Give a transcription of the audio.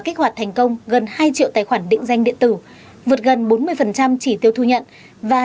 kích hoạt thành công gần hai triệu tài khoản định danh điện tử vượt gần bốn mươi chỉ tiêu thu nhận và